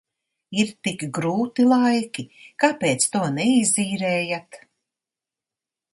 Ir tik grūti laiki, kāpēc to neizīrējat?